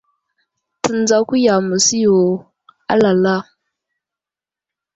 Tendzako yam məsiyo i alala.